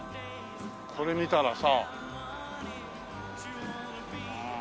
これ見たらさ。